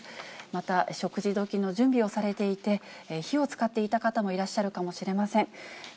また、食事どきの準備をされていて、火を使っていた方もいらっしゃるかもしれません。